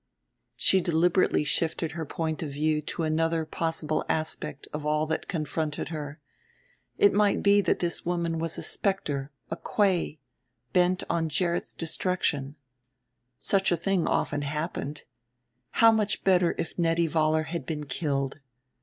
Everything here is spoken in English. She deliberately shifted her point of view to another possible aspect of all that confronted her it might be that this woman was a specter, a kwei, bent on Gerrit's destruction. Such a thing often happened. How much better if Nettie Vollar had been killed!